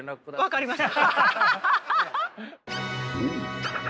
分かりました。